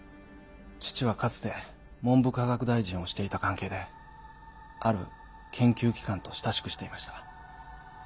父はかつて文部科学大臣をしていた関係である研究機関と親しくしていました。